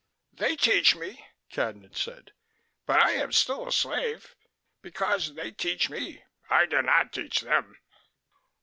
"They teach me," Cadnan said. "But I am still a slave, because they teach me. I do not teach them."